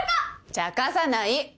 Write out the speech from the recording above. ちゃかさない。